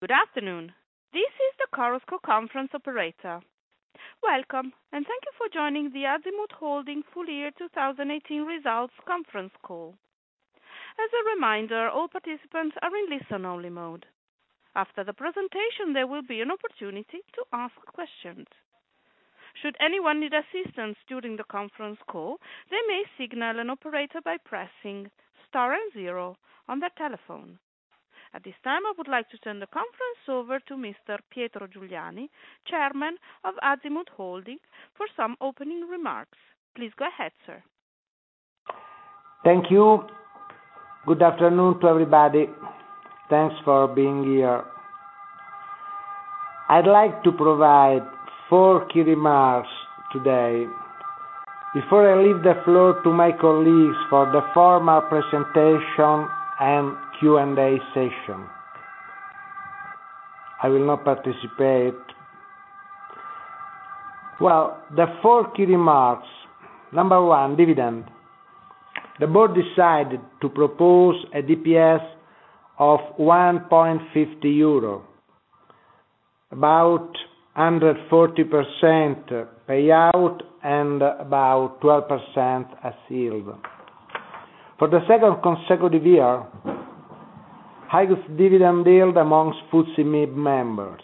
Good afternoon. This is the Chorus Call conference operator. Welcome, and thank you for joining the Azimut Holding Full Year 2018 Results conference call. As a reminder, all participants are in listen-only mode. After the presentation, there will be an opportunity to ask questions. Should anyone need assistance during the conference call, they may signal an operator by pressing star and zero on their telephone. At this time, I would like to turn the conference over to Mr. Pietro Giuliani, Chairman of Azimut Holding, for some opening remarks. Please go ahead, sir. Thank you. Good afternoon to everybody. Thanks for being here. I'd like to provide four key remarks today before I leave the floor to my colleagues for the formal presentation and Q&A session. I will not participate. Well, the four key remarks. Number one, dividend. The board decided to propose a DPS of 1.50 euro, about 140% payout and about 12% as yield. For the second consecutive year, highest dividend yield amongst FTSE MIB members.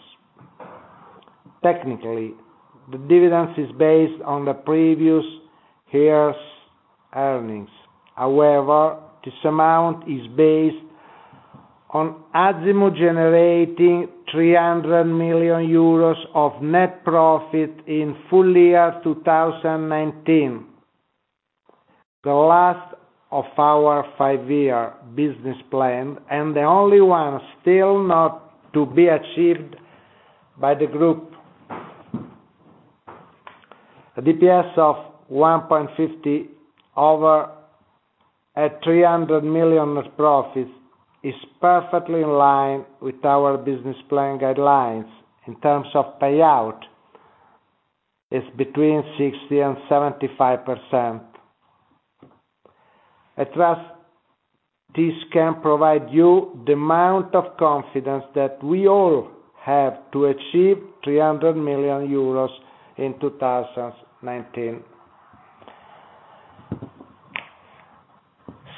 Technically, the dividend is based on the previous year's earnings. However, this amount is based on Azimut generating 300 million euros of net profit in Full Year 2019, the last of our five-year business plan, and the only one still not to be achieved by the group. A DPS of 1.50 over at 300 million of profits is perfectly in line with our business plan guidelines in terms of payout, is between 60% and 75%. I trust this can provide you the amount of confidence that we all have to achieve 300 million euros in 2019.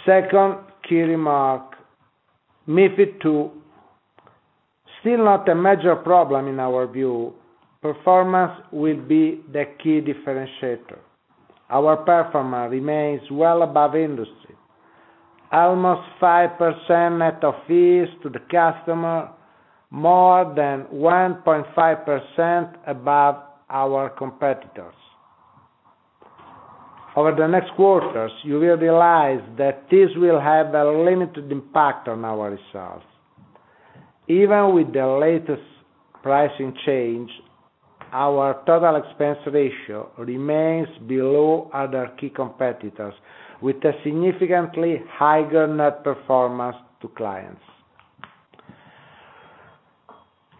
Second key remark, MiFID II. Still not a major problem in our view. Performance will be the key differentiator. Our performance remains well above industry, almost 5% net of fees to the customer, more than 1.5% above our competitors. Over the next quarters, you will realize that this will have a limited impact on our results. Even with the latest pricing change, our total expense ratio remains below other key competitors, with a significantly higher net performance to clients.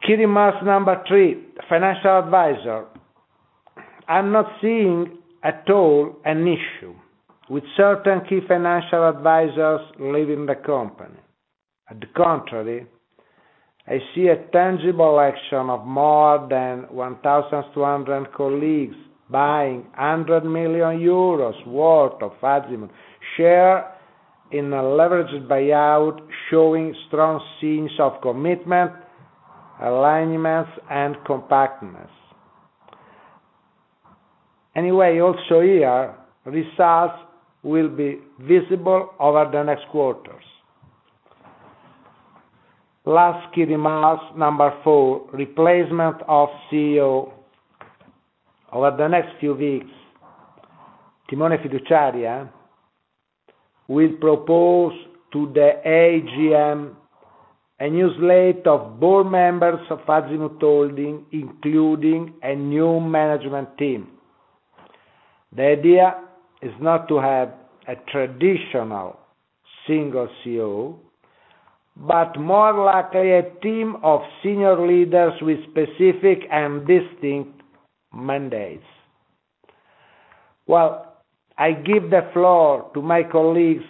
Key remarks number three, financial advisor. I'm not seeing at all an issue with certain key financial advisors leaving the company. At the contrary, I see a tangible action of more than 1,200 colleagues buying 100 million euros worth of Azimut shares in a leveraged buyout, showing strong signs of commitment, alignment, and compactness. Anyway, also here, results will be visible over the next quarters. Last key remarks, number four, replacement of CEO. Over the next few weeks, Timone Fiduciaria will propose to the AGM a new slate of board members of Azimut Holding, including a new management team. The idea is not to have a traditional single CEO, but more likely a team of senior leaders with specific and distinct mandates. Well, I give the floor to my colleagues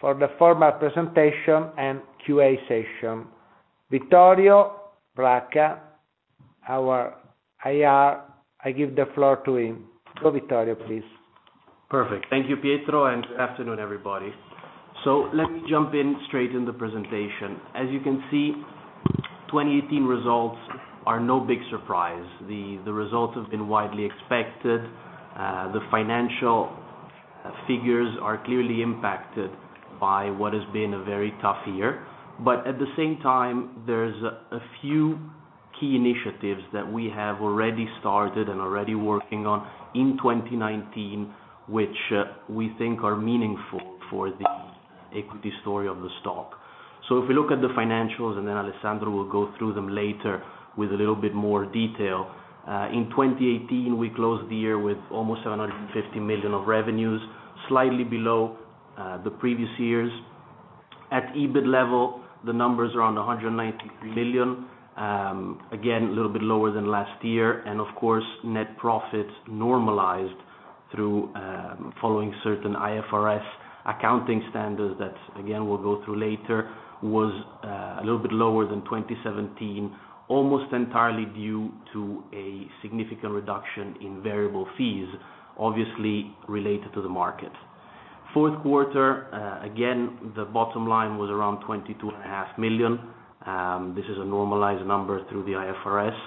for the formal presentation and QA session. Vittorio Pracca, our IR, I give the floor to him. Go, Vittorio, please. Perfect. Thank you, Pietro, good afternoon, everybody. Let me jump in straight into the presentation. As you can see, 2018 results are no big surprise. The results have been widely expected. The financial figures are clearly impacted by what has been a very tough year. At the same time, there's a few key initiatives that we have already started and are already working on in 2019, which we think are meaningful for the equity story of the stock. If we look at the financials, Alessandro will go through them later with a little bit more detail. In 2018, we closed the year with almost 750 million of revenues, slightly below the previous years. At EBIT level, the numbers are around 190 million. Again, a little bit lower than last year. Of course, net profits normalized through following certain IFRS accounting standards that, again, we'll go through later, was a little bit lower than 2017, almost entirely due to a significant reduction in variable fees, obviously related to the market. Fourth quarter, again, the bottom line was around 22.5 million. This is a normalized number through the IFRS.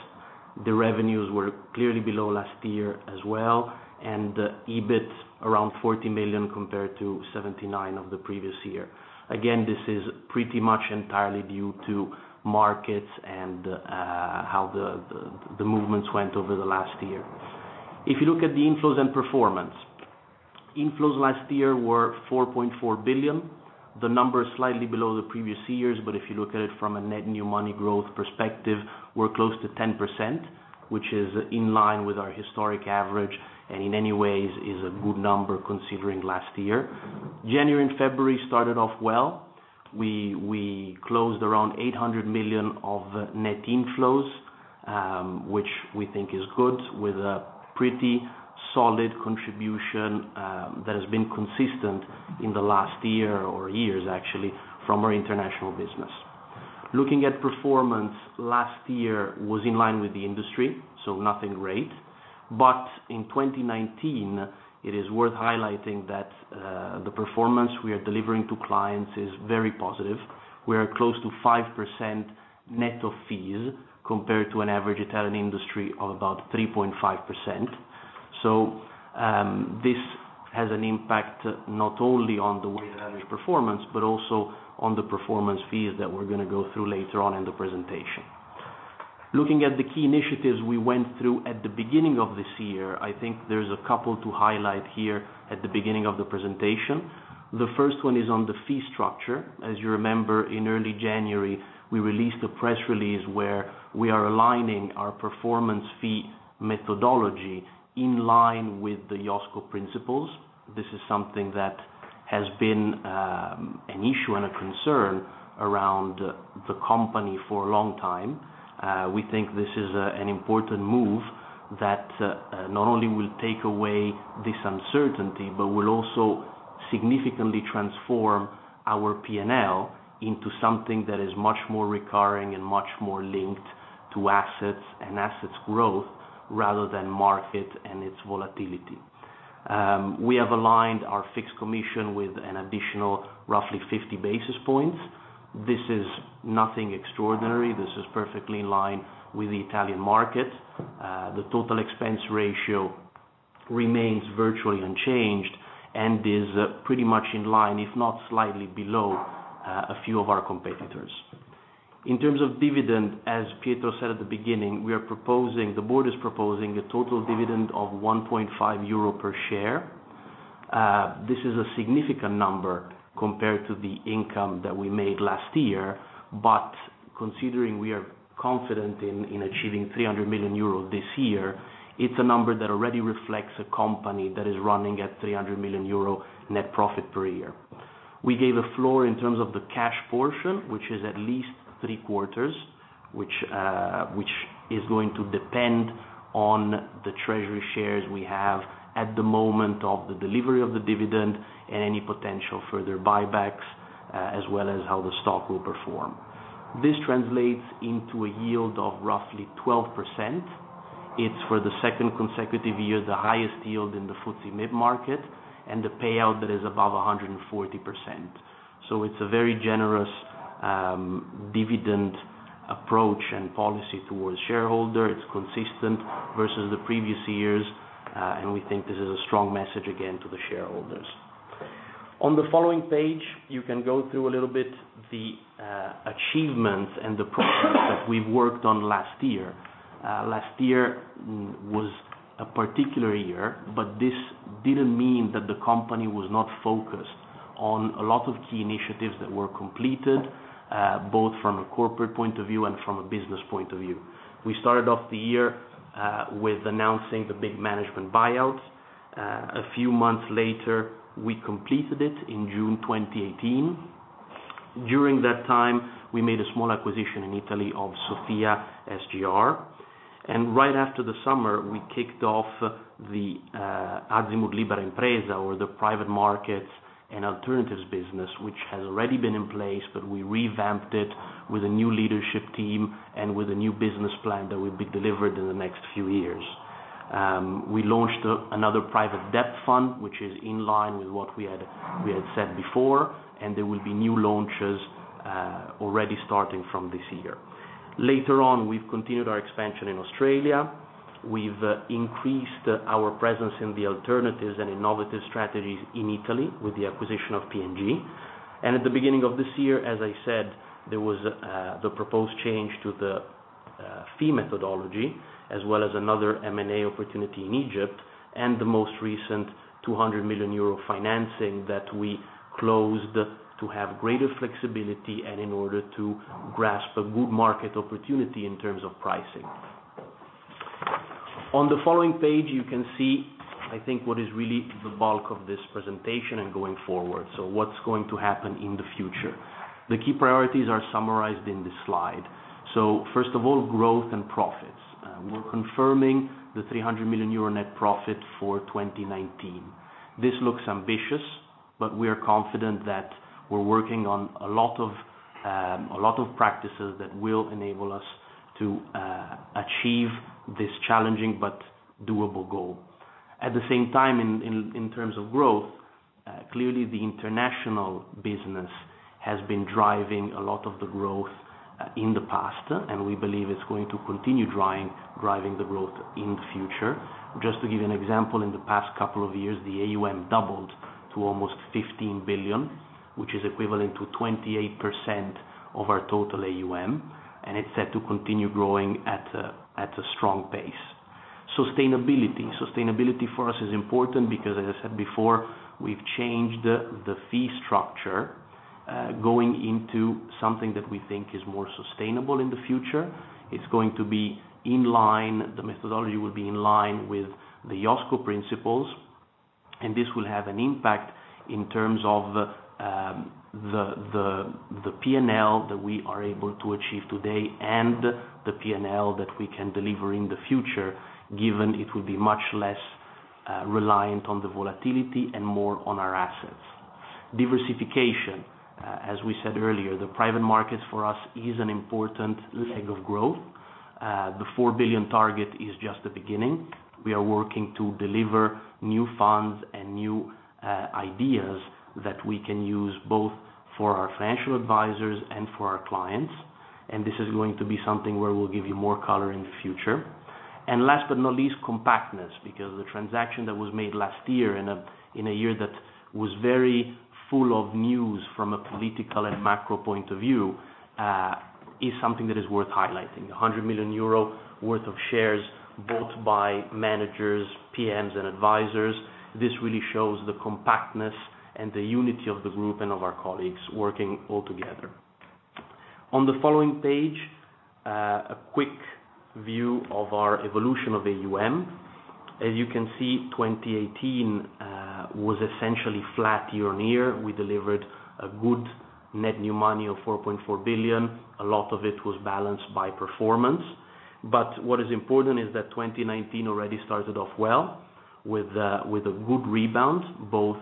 The revenues were clearly below last year as well, the EBIT around 40 million compared to 79 of the previous year. Again, this is pretty much entirely due to markets and how the movements went over the last year. If you look at the inflows and performance, inflows last year were 4.4 billion. The number is slightly below the previous years, if you look at it from a net new money growth perspective, we're close to 10%, which is in line with our historic average, in many ways is a good number considering last year. January and February started off well. We closed around 800 million of net inflows, which we think is good, with a pretty solid contribution that has been consistent in the last year or years actually from our international business. Looking at performance, last year was in line with the industry, nothing great. In 2019, it is worth highlighting that the performance we are delivering to clients is very positive. We are close to 5% net of fees, compared to an average Italian industry of about 3.5%. This has an impact not only on the way that is performance, but also on the performance fees that we're going to go through later on in the presentation. Looking at the key initiatives we went through at the beginning of this year, I think there's a couple to highlight here at the beginning of the presentation. The first one is on the fee structure. As you remember, in early January, we released a press release where we are aligning our performance fee methodology in line with the IOSCO principles. This is something that has been an issue and a concern around the company for a long time. We think this is an important move that not only will take away this uncertainty, but will also significantly transform our P&L into something that is much more recurring and much more linked to assets and assets growth rather than market and its volatility. We have aligned our fixed commission with an additional roughly 50 basis points. This is nothing extraordinary. This is perfectly in line with the Italian market. The total expense ratio remains virtually unchanged and is pretty much in line, if not slightly below, a few of our competitors. In terms of dividend, as Pietro said at the beginning, the board is proposing a total dividend of 1.5 euro per share. This is a significant number compared to the income that we made last year. Considering we are confident in achieving 300 million euros this year, it's a number that already reflects a company that is running at 300 million euro net profit per year. We gave a floor in terms of the cash portion, which is at least three quarters, which is going to depend on the treasury shares we have at the moment of the delivery of the dividend and any potential further buybacks, as well as how the stock will perform. This translates into a yield of roughly 12%. It's for the second consecutive year, the highest yield in the FTSE MIB market, and the payout that is above 140%. It's a very generous dividend approach and policy towards shareholder. It's consistent versus the previous years, and we think this is a strong message again to the shareholders. On the following page, you can go through a little bit the achievements and the progress that we worked on last year. Last year was a particular year, but this didn't mean that the company was not focused on a lot of key initiatives that were completed, both from a corporate point of view and from a business point of view. We started off the year with announcing the big management buyouts. A few months later, we completed it in June 2018. During that time, we made a small acquisition in Italy of Sophia SGR. Right after the summer, we kicked off the Azimut or the private markets and alternatives business, which has already been in place, but we revamped it with a new leadership team and with a new business plan that will be delivered in the next few years. We launched another private debt fund, which is in line with what we had said before, There will be new launches already starting from this year. Later on, we've continued our expansion in Australia. We've increased our presence in the alternatives and innovative strategies in Italy with the acquisition of P&G. At the beginning of this year, as I said, there was the proposed change to the fee methodology, as well as another M&A opportunity in Egypt, and the most recent 200 million euro financing that we closed to have greater flexibility and in order to grasp a good market opportunity in terms of pricing. On the following page, you can see, I think, what is really the bulk of this presentation and going forward. What's going to happen in the future. The key priorities are summarized in this slide. First of all, growth and profits. We're confirming the 300 million euro net profit for 2019. This looks ambitious, but we are confident that we're working on a lot of practices that will enable us to achieve this challenging but doable goal. At the same time, in terms of growth, clearly the international business has been driving a lot of the growth in the past, and we believe it's going to continue driving the growth in the future. Just to give you an example, in the past couple of years, the AUM doubled to almost 15 billion, which is equivalent to 28% of our total AUM, and it's set to continue growing at a strong pace. Sustainability. Sustainability for us is important because, as I said before, we've changed the fee structure, going into something that we think is more sustainable in the future. It's going to be in line, the methodology will be in line with the IOSCO principles, and this will have an impact in terms of the P&L that we are able to achieve today and the P&L that we can deliver in the future, given it will be much less reliant on the volatility and more on our assets. Diversification. As we said earlier, the private markets for us is an important leg of growth. The 4 billion target is just the beginning. We are working to deliver new funds and new ideas that we can use both for our financial advisors and for our clients. This is going to be something where we'll give you more color in the future. Last but not least, compactness, because the transaction that was made last year in a year that was very full of news from a political and macro point of view, is something that is worth highlighting. 100 million euro worth of shares bought by managers, PMs, and advisors. This really shows the compactness and the unity of the group and of our colleagues working all together. On the following page, a quick view of our evolution of AUM. As you can see, 2018 was essentially flat year-on-year. We delivered a good net new money of 4.4 billion. A lot of it was balanced by performance. What is important is that 2019 already started off well with a good rebound, both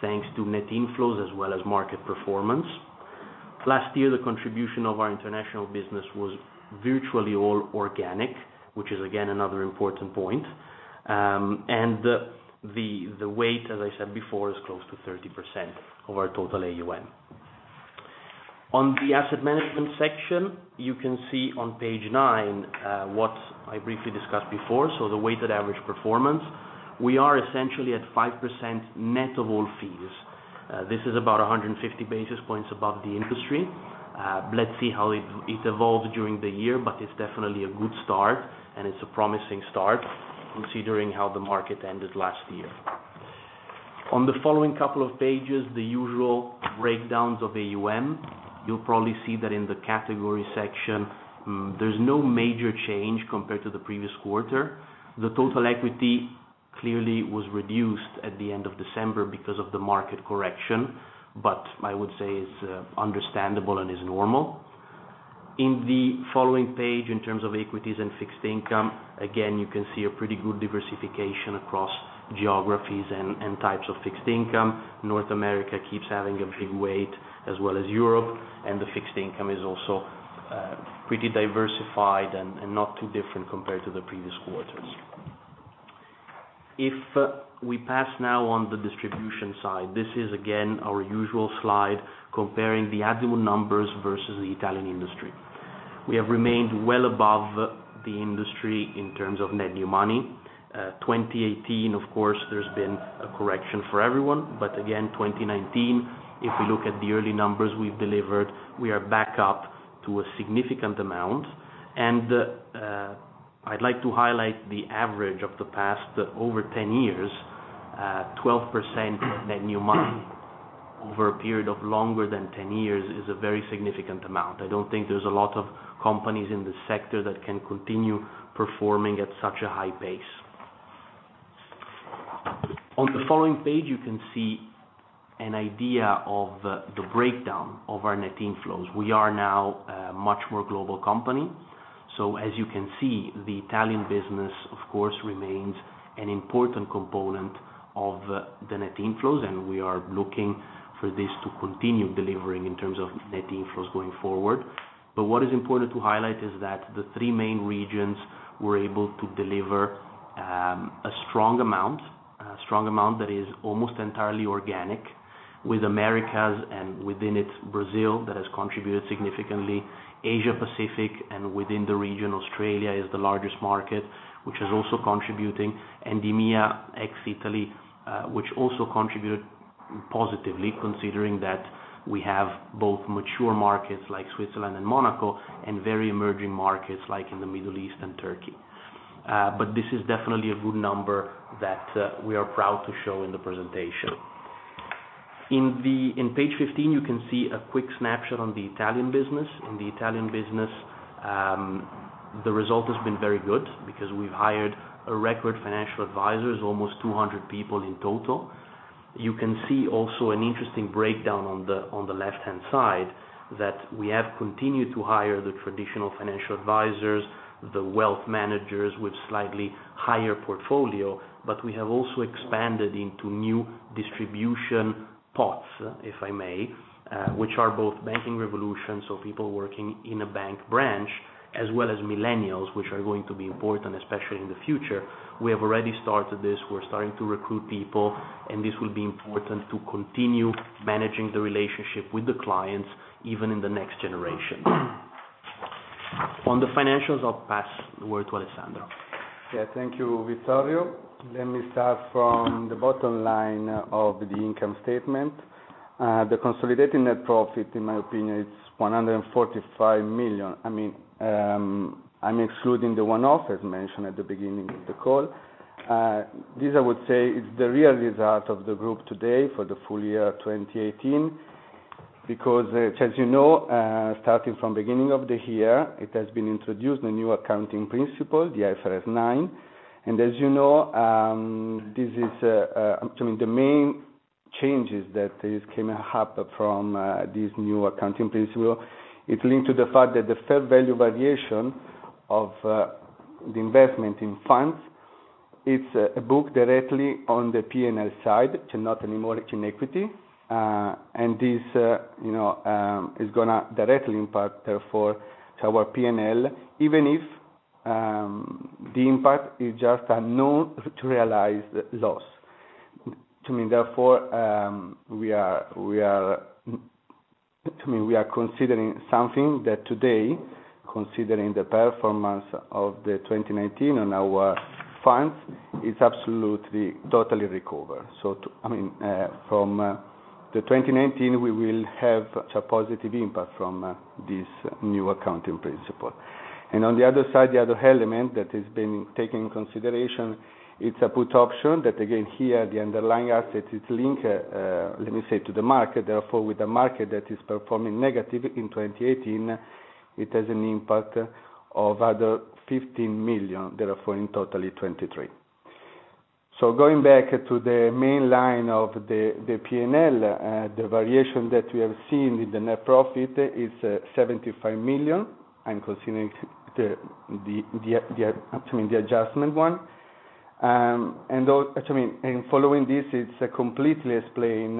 thanks to net inflows as well as market performance. Last year, the contribution of our international business was virtually all organic, which is again, another important point. The weight, as I said before, is close to 30% of our total AUM. On the asset management section, you can see on page nine what I briefly discussed before, so the weighted average performance. We are essentially at 5% net of all fees. This is about 150 basis points above the industry. Let's see how it evolves during the year. It's definitely a good start, and it's a promising start considering how the market ended last year. On the following couple of pages, the usual breakdowns of AUM. You'll probably see that in the category section, there's no major change compared to the previous quarter. The total equity clearly was reduced at the end of December because of the market correction, but I would say it's understandable and is normal. In the following page, in terms of equities and fixed income, again, you can see a pretty good diversification across geographies and types of fixed income. North America keeps having a big weight as well as Europe, and the fixed income is also pretty diversified and not too different compared to the previous quarters. If we pass now on the distribution side, this is again our usual slide comparing the Azimut numbers versus the Italian industry. We have remained well above the industry in terms of net new money. 2018, of course, there's been a correction for everyone, but again, 2019, if we look at the early numbers we've delivered, we are back up to a significant amount. I'd like to highlight the average of the past over 10 years, 12% net new money over a period of longer than 10 years is a very significant amount. I don't think there's a lot of companies in this sector that can continue performing at such a high pace. On the following page, you can see an idea of the breakdown of our net inflows. As you can see, the Italian business, of course, remains an important component of the net inflows, and we are looking for this to continue delivering in terms of net inflows going forward. What is important to highlight is that the three main regions were able to deliver a strong amount that is almost entirely organic with Americas and within it, Brazil, that has contributed significantly. Asia Pacific, and within the region, Australia is the largest market, which is also contributing. EMEA, ex-Italy, which also contributed positively considering that we have both mature markets like Switzerland and Monaco and very emerging markets like in the Middle East and Turkey. This is definitely a good number that we are proud to show in the presentation. On page 15, you can see a quick snapshot on the Italian business. In the Italian business. The result has been very good because we've hired a record financial advisors, almost 200 people in total. You can see also an interesting breakdown on the left-hand side, that we have continued to hire the traditional financial advisors, the wealth managers with slightly higher portfolio, but we have also expanded into new distribution pots, if I may, which are both banking evolutions, so people working in a bank branch, as well as millennials, which are going to be important, especially in the future. We have already started this. We're starting to recruit people, and this will be important to continue managing the relationship with the clients, even in the next generation. On the financials, I'll pass the word to Alessandro. Yeah. Thank you, Vittorio. Let me start from the bottom line of the income statement. The consolidated net profit, in my opinion, is 145 million. I'm excluding the one-off, as mentioned at the beginning of the call. This, I would say, is the real result of the group today for the full year 2018, because as you know, starting from beginning of the year, it has been introduced a new accounting principle, the IFRS 9. As you know, the main changes that came up from this new accounting principle, it linked to the fact that the fair value variation of the investment in funds, it's booked directly on the P&L side, not anymore in equity. This is going to directly impact, therefore, our P&L, even if the impact is just an unrealized loss. We are considering something that today, considering the performance of the 2019 on our funds, is absolutely totally recovered. From the 2019, we will have a positive impact from this new accounting principle. On the other side, the other element that has been taken in consideration, it's a put option that again here, the underlying asset is linked, let me say, to the market. Therefore, with the market that is performing negative in 2018, it has an impact of other 15 million. In total, the impact is 23 million. Going back to the main line of the P&L, the variation that we have seen in the net profit is 75 million. I'm considering the adjustment one. Following this, it's completely explained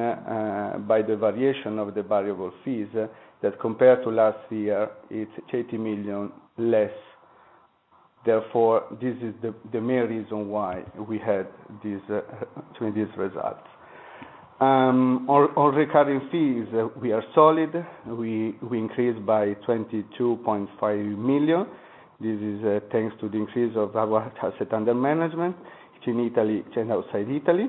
by the variation of the variable fees that compared to last year, it's 80 million less. This is the main reason why we had these results. On recurring fees, we are solid. We increased by 22.5 million. This is thanks to the increase of our asset under management in Italy and outside Italy.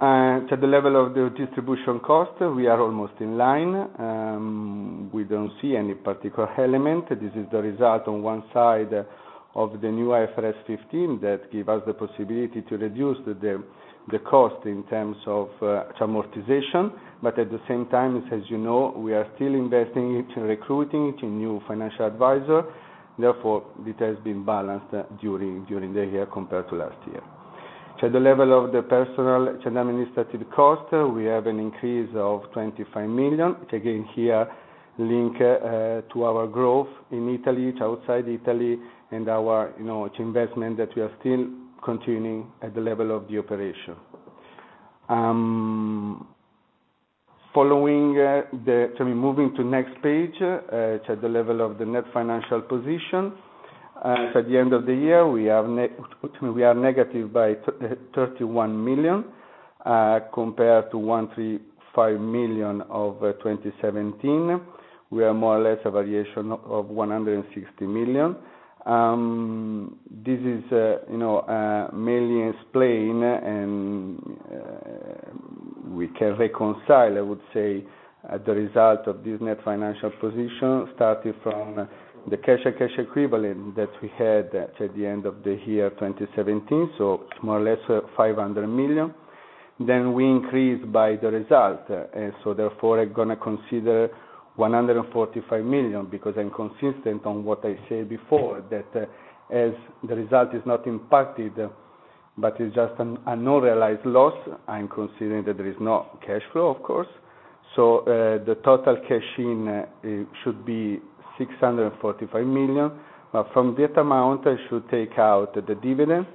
To the level of the distribution cost, we are almost in line. We don't see any particular element. This is the result on one side of the new IFRS 15 that give us the possibility to reduce the cost in terms of amortization. At the same time, as you know, we are still investing in recruiting new financial advisor. It has been balanced during the year compared to last year. To the level of the personal and administrative cost, we have an increase of 25 million, which again here link to our growth in Italy, outside Italy, and our investment that we are still continuing at the level of the operation. Moving to next page, to the level of the net financial position. At the end of the year, we are negative by 31 million, compared to 135 million of 2017. We are more or less a variation of 160 million. This is mainly explained, we can reconcile, I would say, the result of this net financial position started from the cash and cash equivalent that we had at the end of the year 2017. More or less 500 million. We increased by the result. Therefore, I'm going to consider 145 million because I'm consistent on what I said before, that as the result is not impacted, but is just an unrealized loss, I'm considering that there is no cash flow, of course. The total cash in should be 645 million. From that amount, I should take out the dividend,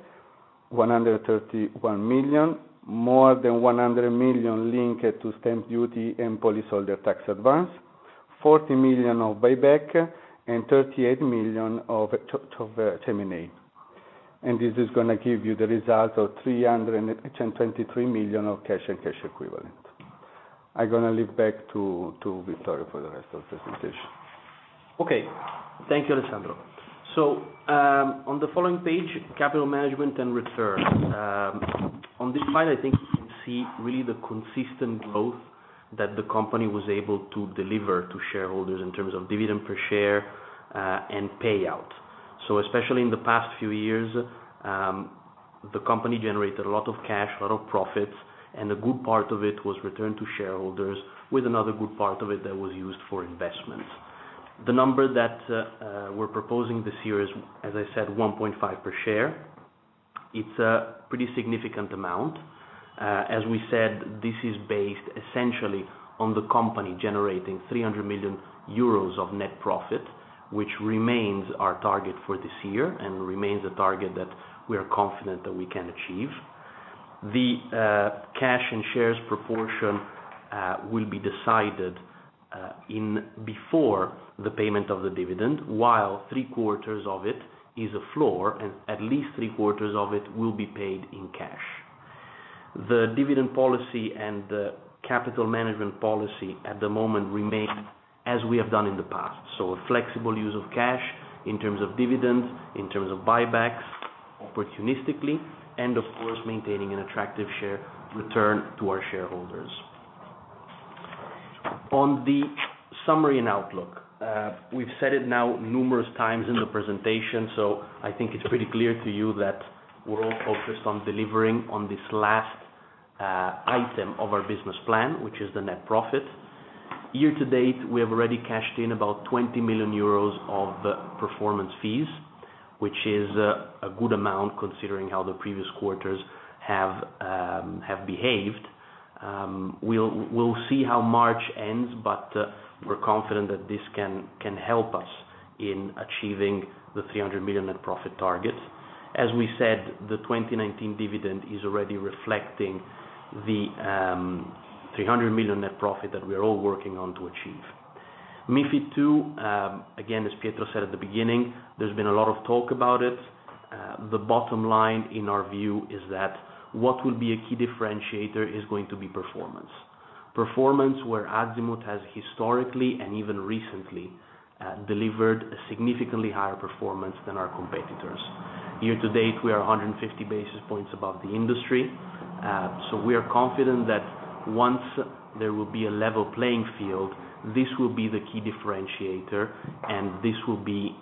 131 million, more than 100 million linked to stamp duty and policyholder tax advance, 40 million of buyback, and 38 million of M&A. This is going to give you the result of 323 million of cash and cash equivalent. I'm going to leave back to Vittorio for the rest of the presentation. Okay. Thank you, Alessandro. On the following page, capital management and return. On this slide, I think you can see really the consistent growth that the company was able to deliver to shareholders in terms of dividend per share, and payout. Especially in the past few years, the company generated a lot of cash, a lot of profits, and a good part of it was returned to shareholders with another good part of it that was used for investments. The number that we're proposing this year is, as I said, 1.5 per share. It's a pretty significant amount. As we said, this is based essentially on the company generating 300 million euros of net profit, which remains our target for this year and remains a target that we are confident that we can achieve. The cash and shares proportion will be decided before the payment of the dividend, while three quarters of it is a floor, and at least three quarters of it will be paid in cash. The dividend policy and the capital management policy at the moment remain as we have done in the past, a flexible use of cash in terms of dividends, in terms of buybacks, opportunistically, and, of course, maintaining an attractive return to our shareholders. On the summary and outlook, we've said it now numerous times in the presentation, I think it's pretty clear to you that we're all focused on delivering on this last item of our business plan, which is the net profit. Year to date, we have already cashed in about 20 million euros of performance fees, which is a good amount considering how the previous quarters have behaved. We'll see how March ends, we're confident that this can help us in achieving the 300 million net profit target. As we said, the 2019 dividend is already reflecting the 300 million net profit that we are all working on to achieve. MiFID II, again, as Pietro said at the beginning, there's been a lot of talk about it. The bottom line in our view is that what will be a key differentiator is going to be performance. Performance where Azimut has historically and even recently delivered a significantly higher performance than our competitors. Year to date, we are 150 basis points above the industry. We are confident that once there will be a level playing field, this will be the key differentiator, and this will be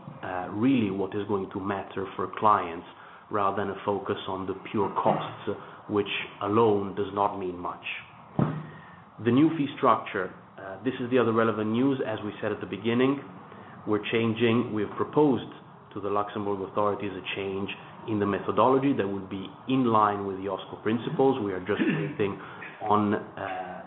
really what is going to matter for clients, rather than a focus on the pure costs, which alone does not mean much. The new fee structure, this is the other relevant news, as we said at the beginning. We have proposed to the Luxembourg authorities a change in the methodology that would be in line with the IOSCO principles. We are just waiting on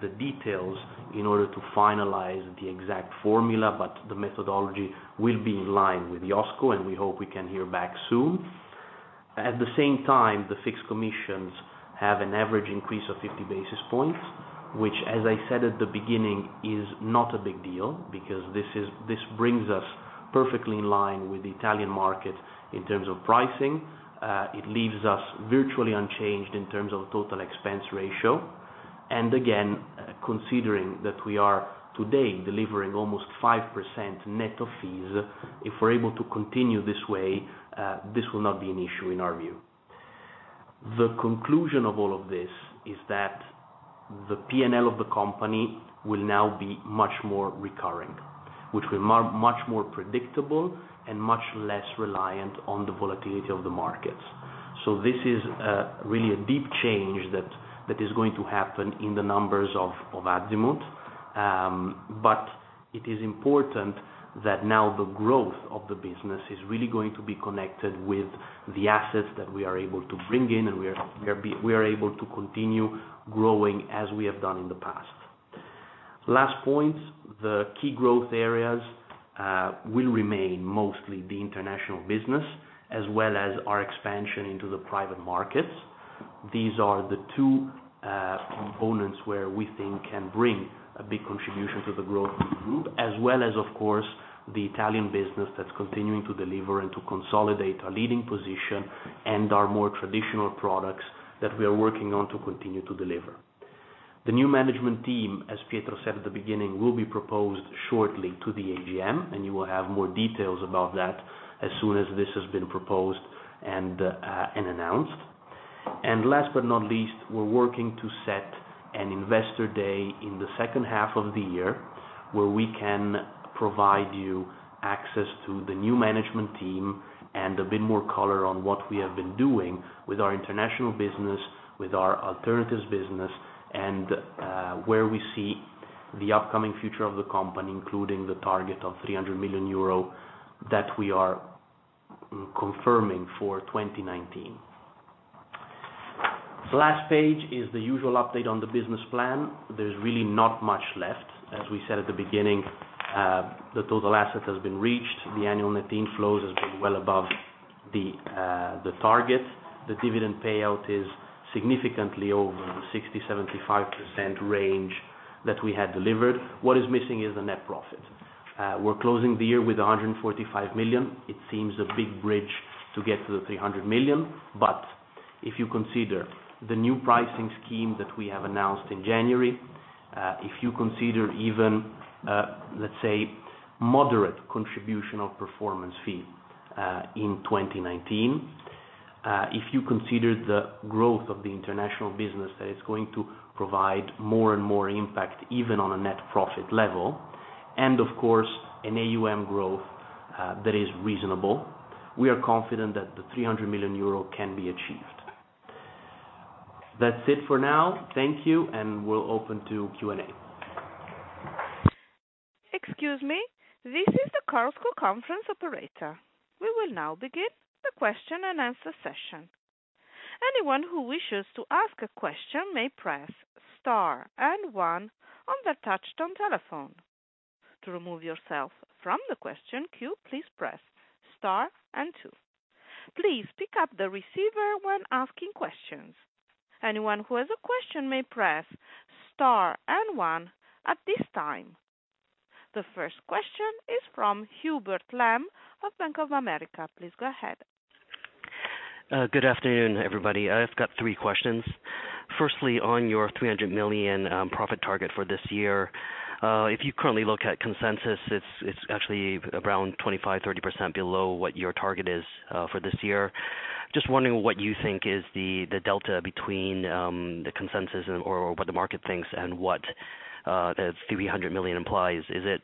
the details in order to finalize the exact formula, but the methodology will be in line with the IOSCO, and we hope we can hear back soon. At the same time, the fixed commissions have an average increase of 50 basis points, which, as I said at the beginning, is not a big deal because this brings us perfectly in line with the Italian market in terms of pricing. It leaves us virtually unchanged in terms of total expense ratio. Again, considering that we are today delivering almost 5% net of fees, if we're able to continue this way, this will not be an issue in our view. The conclusion of all of this is that the P&L of the company will now be much more recurring, which will be much more predictable and much less reliant on the volatility of the markets. This is really a deep change that is going to happen in the numbers of Azimut. It is important that now the growth of the business is really going to be connected with the assets that we are able to bring in, and we are able to continue growing as we have done in the past. Last point, the key growth areas will remain mostly the international business, as well as our expansion into the private markets. These are the two components where we think can bring a big contribution to the growth of the group, as well as, of course, the Italian business that's continuing to deliver and to consolidate a leading position and our more traditional products that we are working on to continue to deliver. The new management team, as Pietro said at the beginning, will be proposed shortly to the AGM, and you will have more details about that as soon as this has been proposed and announced. Last but not least, we're working to set an investor day in the second half of the year where we can provide you access to the new management team and a bit more color on what we have been doing with our international business, with our alternatives business, and where we see the upcoming future of the company, including the target of 300 million euro that we are confirming for 2019. The last page is the usual update on the business plan. There's really not much left. As we said at the beginning, the total asset has been reached. The annual net inflows has been well above the target. The dividend payout is significantly over the 60%-75% range that we had delivered. What is missing is the net profit. We're closing the year with 145 million. It seems a big bridge to get to the 300 million. If you consider the new pricing scheme that we have announced in January, if you consider even, let's say, moderate contribution of performance fee in 2019. If you consider the growth of the international business, that it's going to provide more and more impact, even on a net profit level. Of course, an AUM growth that is reasonable. We are confident that the 300 million euro can be achieved. That's it for now. Thank you, and we'll open to Q&A. Excuse me. This is the Chorus Call Conference Operator. We will now begin the question and answer session. Anyone who wishes to ask a question may press star and one on their touch-tone telephone. To remove yourself from the question queue, please press star and two. Please pick up the receiver when asking questions. Anyone who has a question may press star and one at this time. The first question is from Hubert Lam of Bank of America. Please go ahead. Good afternoon, everybody. I've got three questions. Firstly, on your 300 million profit target for this year. If you currently look at consensus, it's actually around 25%-30% below what your target is for this year. Just wondering what you think is the delta between the consensus or what the market thinks and what the 300 million implies. Is it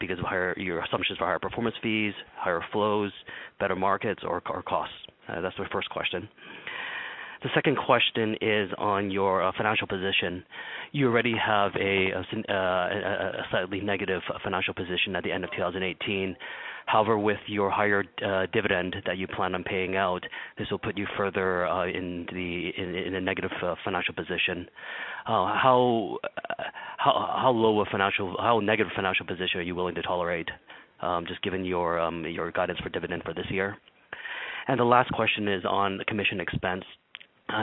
because of your assumptions for higher performance fees, higher flows, better markets or costs? That's my first question. The second question is on your financial position. You already have a slightly negative financial position at the end of 2018. However, with your higher dividend that you plan on paying out, this will put you further in a negative financial position. How negative financial position are you willing to tolerate, just given your guidance for dividend for this year? The last question is on the commission expense.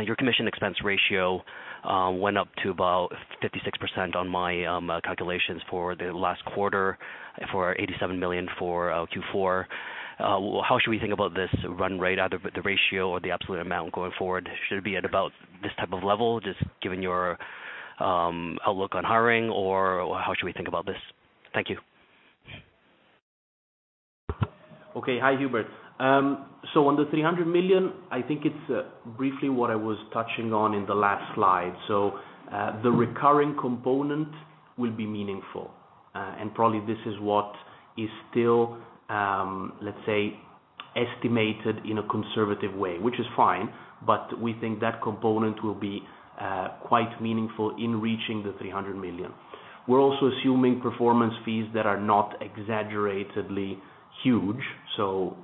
Your commission expense ratio went up to about 56% on my calculations for the last quarter, for 87 million for Q4. How should we think about this run rate, either the ratio or the absolute amount going forward? Should it be at about this type of level, just given your outlook on hiring, or how should we think about this? Thank you. Okay. Hi, Hubert. On the 300 million, I think it's briefly what I was touching on in the last slide. The recurring component will be meaningful. Probably this is what is still, let's say, estimated in a conservative way. Which is fine, but we think that component will be quite meaningful in reaching the 300 million. We're also assuming performance fees that are not exaggeratedly huge, so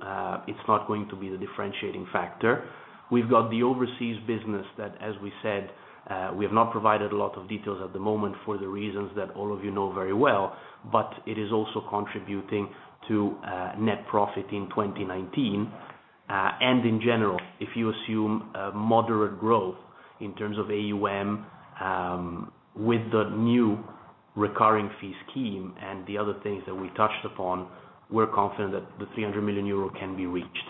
it's not going to be the differentiating factor. We've got the overseas business that, as we said, we have not provided a lot of details at the moment for the reasons that all of you know very well, but it is also contributing to net profit in 2019. In general, if you assume moderate growth in terms of AUM, with the new recurring fee scheme and the other things that we touched upon, we're confident that the 300 million euro can be reached.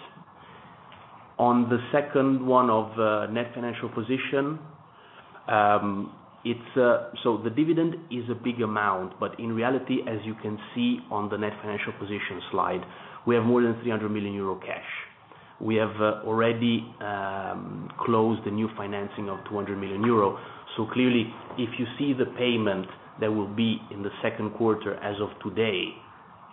On the second one of net financial position. The dividend is a big amount, but in reality, as you can see on the net financial position slide, we have more than 300 million euro cash. We have already closed the new financing of 200 million euro. Clearly, if you see the payment that will be in the second quarter as of today,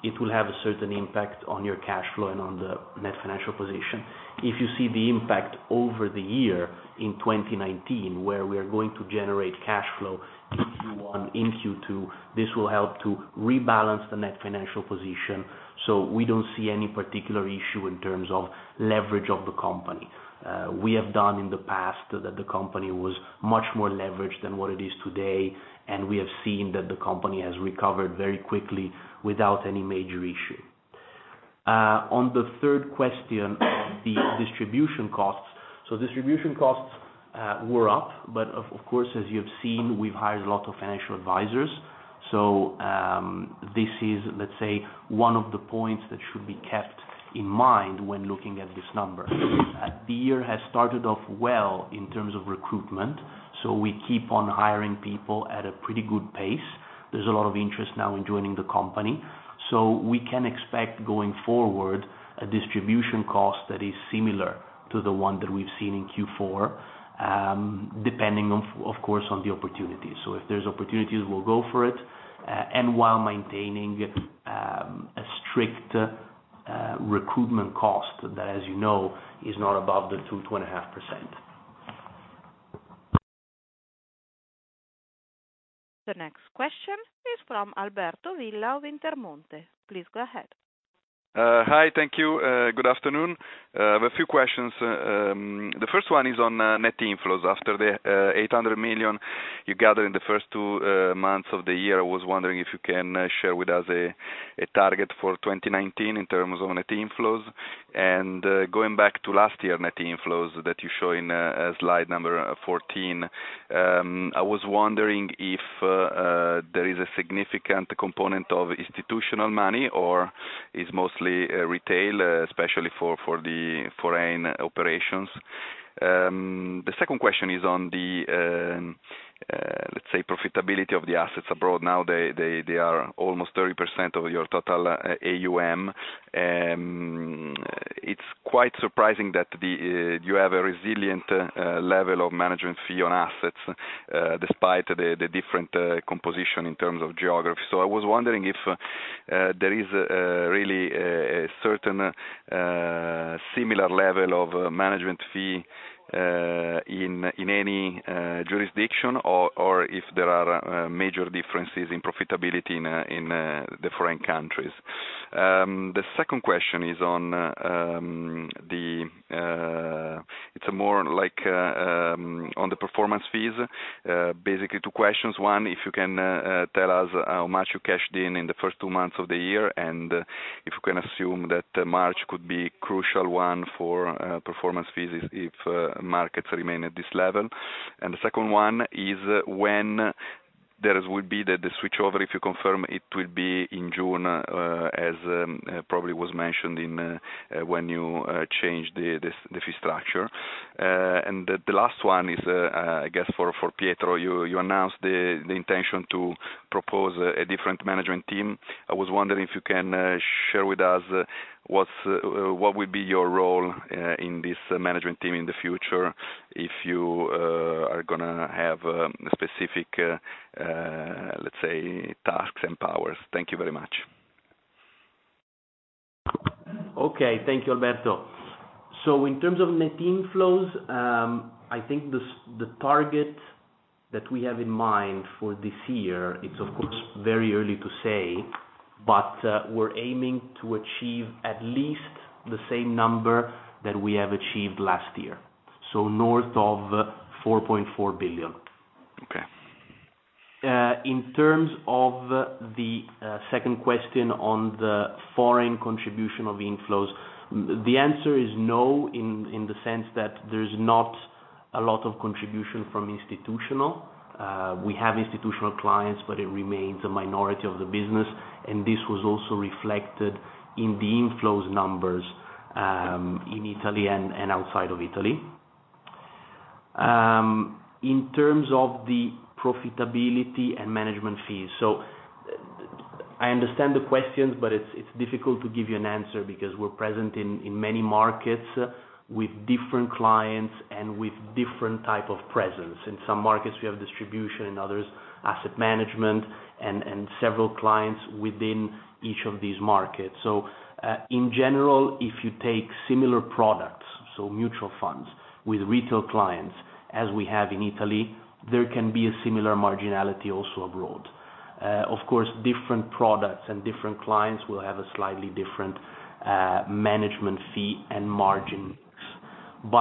it will have a certain impact on your cash flow and on the net financial position. If you see the impact over the year in 2019, where we are going to generate cash flow in Q1, in Q2, this will help to rebalance the net financial position. We don't see any particular issue in terms of leverage of the company. We have done in the past that the company was much more leveraged than what it is today, and we have seen that the company has recovered very quickly without any major issue. On the third question of the distribution costs. Distribution costs were up, but of course, as you have seen, we've hired a lot of financial advisors. This is, let's say, one of the points that should be kept in mind when looking at this number. The year has started off well in terms of recruitment, so we keep on hiring people at a pretty good pace. There's a lot of interest now in joining the company, so we can expect going forward a distribution cost that is similar to the one that we've seen in Q4, depending, of course, on the opportunities. If there's opportunities, we'll go for it, and while maintaining a strict recruitment cost that, as you know, is not above the 2%, 2.5%. The next question is from Alberto Villa of Intermonte. Please go ahead. Hi. Thank you. Good afternoon. I have a few questions. The first one is on net inflows. After the 800 million you gathered in the first two months of the year, I was wondering if you can share with us a target for 2019 in terms of net inflows. Going back to last year net inflows that you show in slide number 14, I was wondering if there is a significant component of institutional money, or is mostly retail, especially for the foreign operations? The second question is on the, let's say, profitability of the assets abroad. Now they are almost 30% of your total AUM. It's quite surprising that you have a resilient level of management fee on assets despite the different composition in terms of geography. I was wondering if there is really a certain similar level of management fee in any jurisdiction or if there are major differences in profitability in the foreign countries. The second question is, it's more on the performance fees. Basically, two questions. One, if you can tell us how much you cashed in in the first two months of the year, and if we can assume that March could be a crucial one for performance fees if markets remain at this level. The second one is when there would be the switchover, if you confirm it will be in June, as probably was mentioned when you changed the fee structure. The last one is, I guess, for Pietro. You announced the intention to propose a different management team. I was wondering if you can share with us what would be your role in this management team in the future if you are going to have specific, let's say, tasks and powers. Thank you very much. Okay. Thank you, Alberto. In terms of net inflows, I think the target that we have in mind for this year, it's of course very early to say, but we're aiming to achieve at least the same number that we have achieved last year. North of 4.4 billion. Okay. In terms of the second question on the foreign contribution of inflows, the answer is no, in the sense that there's not a lot of contribution from institutional. We have institutional clients, but it remains a minority of the business, and this was also reflected in the inflows numbers in Italy and outside of Italy. In terms of the profitability and management fees. I understand the questions, but it's difficult to give you an answer because we're present in many markets with different clients and with different type of presence. In some markets, we have distribution, in others, asset management, and several clients within each of these markets. In general, if you take similar products, mutual funds with retail clients as we have in Italy, there can be a similar marginality also abroad. Of course, different products and different clients will have a slightly different management fee and margin mix.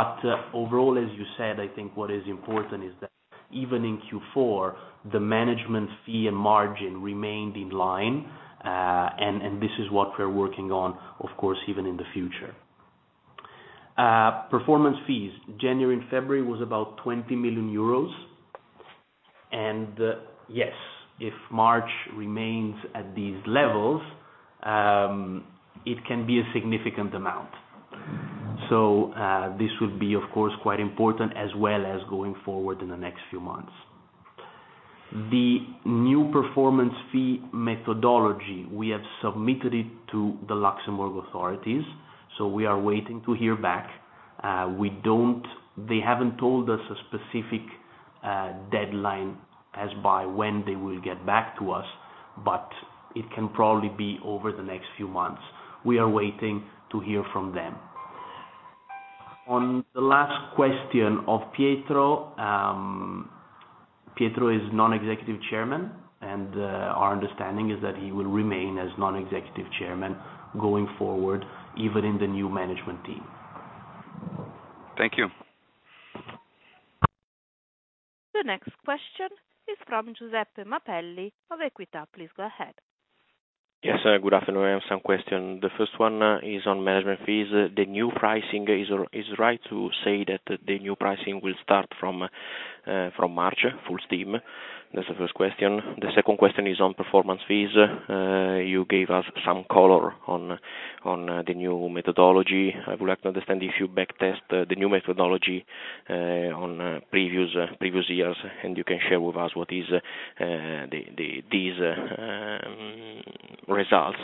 Overall, as you said, I think what is important is that even in Q4, the management fee and margin remained in line. This is what we're working on, of course, even in the future. Performance fees. January and February was about 20 million euros. Yes, if March remains at these levels, it can be a significant amount. This will be, of course, quite important as well as going forward in the next few months. The new performance fee methodology, we have submitted it to the Luxembourg authorities, so we are waiting to hear back. They haven't told us a specific deadline as by when they will get back to us, but it can probably be over the next few months. We are waiting to hear from them. On the last question of Pietro. Pietro is non-executive Chairman, and our understanding is that he will remain as non-executive Chairman going forward, even in the new management team. Thank you. The next question is from Giuseppe Mapelli of Equita. Please go ahead. Yes. Good afternoon. I have some questions. The first one is on management fees. The new pricing. Is it right to say that the new pricing will start from March full steam? That's the first question. The second question is on performance fees. You gave us some color on the new methodology. I would like to understand if you back-test the new methodology on previous years, and you can share with us what these results are,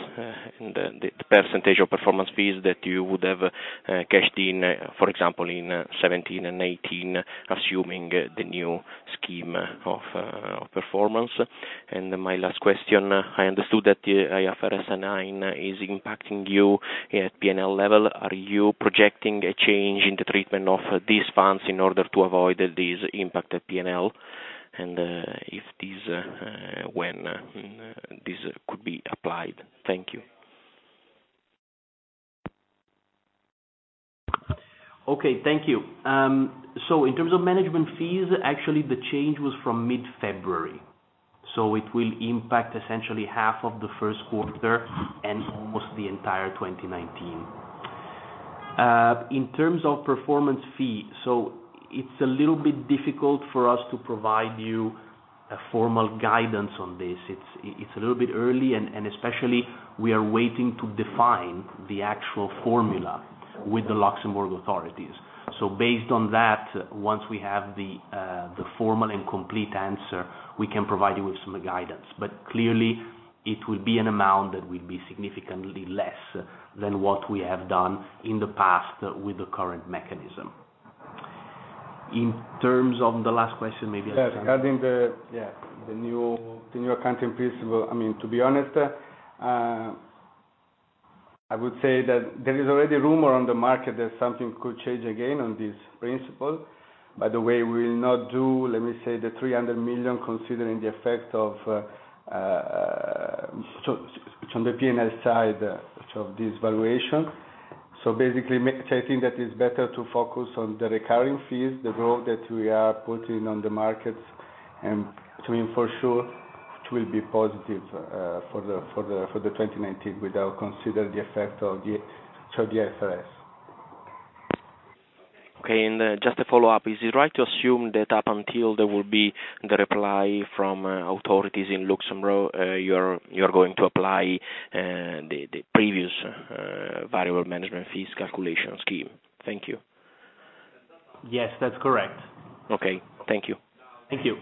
and the percentage of performance fees that you would have cashed in, for example, in 2017 and 2018, assuming the new scheme of performance. My last question, I understood that the IFRS 9 is impacting you at P&L level. Are you projecting a change in the treatment of these funds in order to avoid this impact at P&L? If these, when this could be applied. Thank you. Okay. Thank you. In terms of management fees, actually, the change was from mid-February, it will impact essentially half of the first quarter and almost the entire 2019. In terms of performance fee, it's a little bit difficult for us to provide you a formal guidance on this. It's a little bit early, and especially, we are waiting to define the actual formula with the Luxembourg authorities. Based on that, once we have the formal and complete answer, we can provide you with some guidance. Clearly, it will be an amount that will be significantly less than what we have done in the past with the current mechanism. Yes, regarding the new accounting principle. To be honest, I would say that there is already rumor on the market that something could change again on this principle. We will not do, let me say, the 300 million, considering the effect on the P&L side of this valuation. I think that it's better to focus on the recurring fees, the growth that we are putting on the markets, and to me, for sure, it will be positive for 2019 without considering the effect of the IFRS. Okay. Just a follow-up, is it right to assume that up until there will be the reply from authorities in Luxembourg, you're going to apply the previous variable management fees calculation scheme? Thank you. Yes, that's correct. Okay. Thank you. Thank you.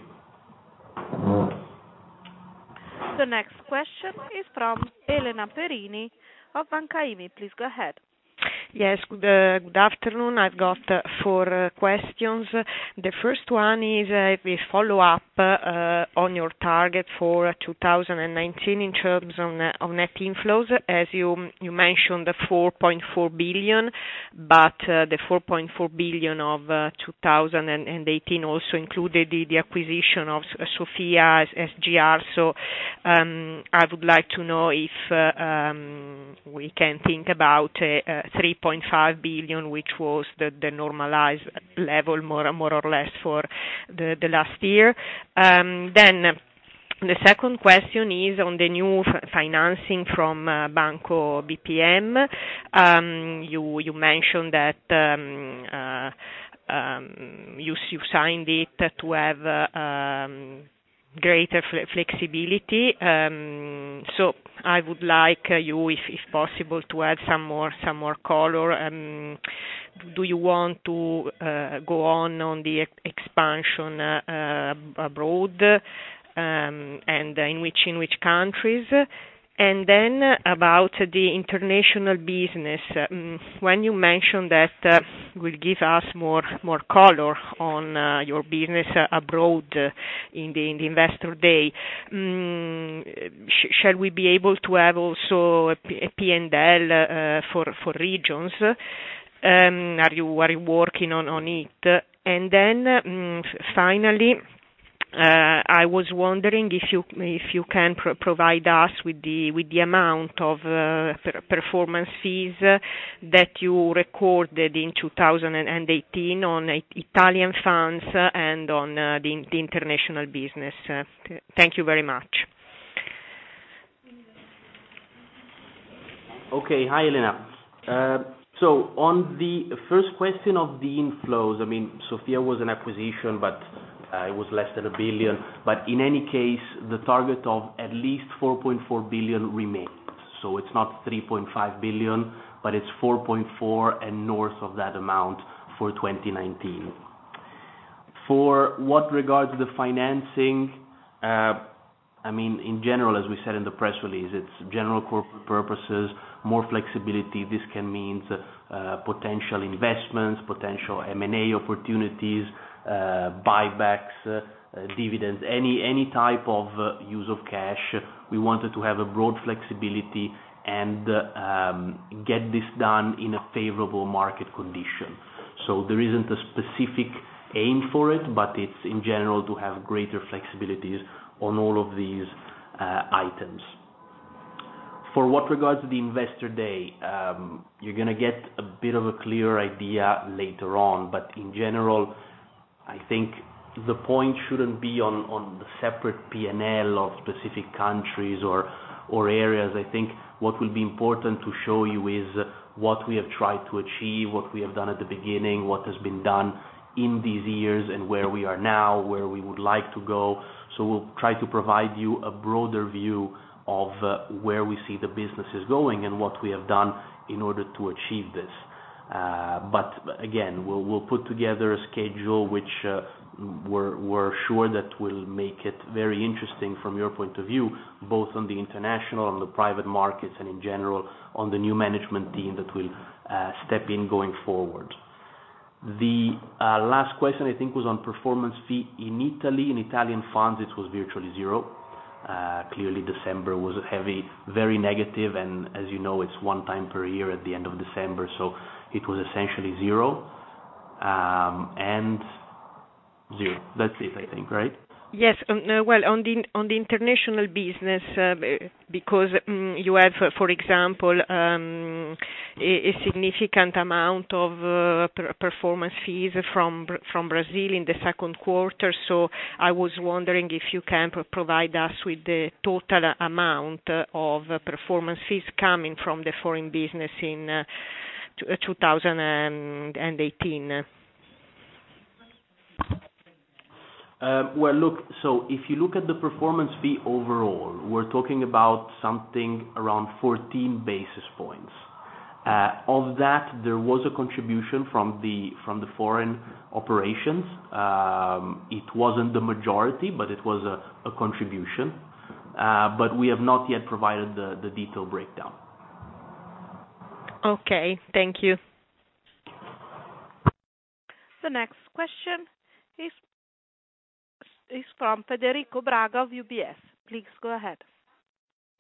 The next question is from Elena Perini of Banca IMI. Please go ahead. Yes, good afternoon. I've got four questions. The first one is if we follow up on your target for 2019 in terms of net inflows, as you mentioned, the 4.4 billion, but the 4.4 billion of 2018 also included the acquisition of Sophia SGR. I would like to know if we can think about 3.5 billion, which was the normalized level more or less for the last year. The second question is on the new financing from Banco BPM. You mentioned that you signed it to have greater flexibility. I would like you, if possible, to add some more color. Do you want to go on the expansion abroad? In which countries? About the international business. When you mentioned that will give us more color on your business abroad in the Investor Day. Shall we be able to have also a P&L for regions? Are you working on it? Finally, I was wondering if you can provide us with the amount of performance fees that you recorded in 2018 on Italian funds and on the international business. Thank you very much. Okay. Hi, Elena. On the first question of the inflows, Sophia was an acquisition, but it was less than 1 billion. In any case, the target of at least 4.4 billion remains. It's not 3.5 billion, but it's 4.4 billion and north of that amount for 2019. For what regards the financing, in general, as we said in the press release, it's general corporate purposes, more flexibility. This can mean potential investments, potential M&A opportunities, buybacks, dividends, any type of use of cash. We wanted to have a broad flexibility and get this done in a favorable market condition. There isn't a specific aim for it, but it's in general to have greater flexibilities on all of these items. For what regards the Investor Day, you're going to get a bit of a clearer idea later on. In general, I think the point shouldn't be on the separate P&L of specific countries or areas. I think what will be important to show you is what we have tried to achieve, what we have done at the beginning, what has been done in these years, and where we are now, where we would like to go. We'll try to provide you a broader view of where we see the businesses going and what we have done in order to achieve this. Again, we'll put together a schedule which we're sure that will make it very interesting from your point of view, both on the international, on the private markets, and in general on the new management team that will step in going forward. The last question, I think, was on performance fee in Italy. In Italian funds, it was virtually zero. Clearly December was very negative, and as you know, it's one time per year at the end of December. It was essentially zero. Zero. That's it, I think, right? Yes. On the international business, because you have, for example, a significant amount of performance fees from Brazil in the second quarter. I was wondering if you can provide us with the total amount of performance fees coming from the foreign business in 2018. If you look at the performance fee overall, we're talking about something around 14 basis points. Of that, there was a contribution from the foreign operations. It wasn't the majority, but it was a contribution. We have not yet provided the detailed breakdown. Okay, thank you. The next question is from Federico Braga of UBS. Please go ahead.